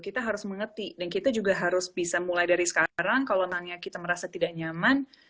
kita harus mengerti dan kita juga harus bisa mulai dari sekarang kalau nanya kita merasa tidak nyaman